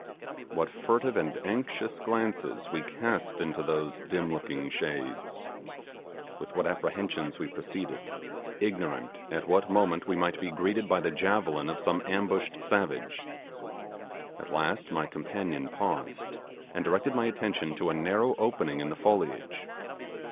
What furtive and anxious glances we cast into those dim looking shadows! With what apprehensions we proceeded, ignorant at what moment we might be greeted by the javelin of some ambushed savage. At last my companion paused, and directed my attention to a narrow opening in the foliage.